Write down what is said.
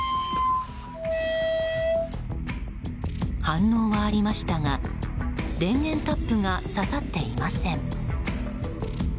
反応はありましたが電源タップがささっていません。